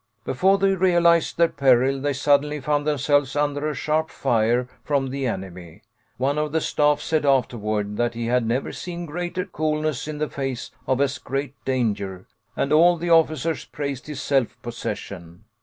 Before they realised their peril, they suddenly found themselves under a sharp fire from the enemy. One of the staff said afterward that he had never seen greater coolness in the face of as great danger, and air the officers praised his self possession.